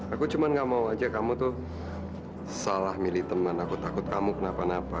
aku cuma gak mau aja kamu tuh salah milih teman aku takut kamu kenapa napa